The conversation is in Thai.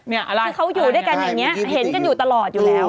เนี้ยอะไรคือเขาอยู่ด้วยกันอย่างเงี้ยเห็นกันอยู่ตลอดอยู่แล้ว